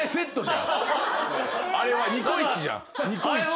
あれはニコイチじゃんニコイチ。